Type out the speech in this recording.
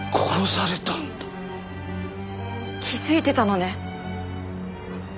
気づいてたのね。